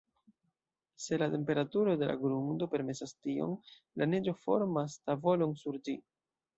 Se la temperaturo de la grundo permesas tion, la neĝo formas tavolon sur ĝi.